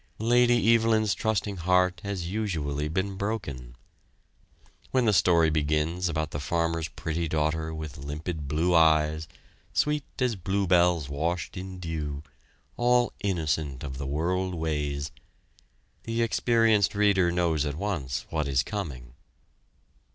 Lady Evelyn's trusting heart has usually been broken. When the story begins about the farmer's pretty daughter with limpid blue eyes, sweet as bluebells washed in dew, all innocent of the world ways, the experienced reader knows at once what is coming.